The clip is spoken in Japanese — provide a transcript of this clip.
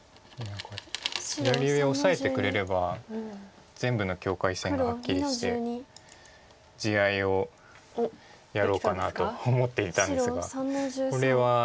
左上オサえてくれれば全部の境界線がはっきりして地合いをやろうかなと思っていたんですがこれは。